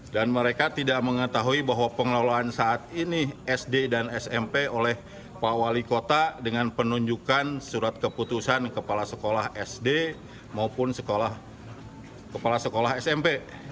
dan mereka tidak mengetahui bahwa pengelolaan saat ini sd dan smp oleh pak wali kota dengan penunjukkan surat keputusan kepala sekolah sd maupun kepala sekolah smp